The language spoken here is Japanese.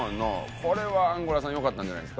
これはアンゴラさんよかったんじゃないですか？